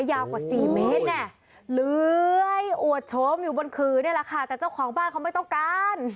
ยาวกว่าสี่เมตรเนี่ยเลื้อยอวดโฉมอยู่บนขือนี่แหละค่ะแต่เจ้าของบ้านเขาไม่ต้องการ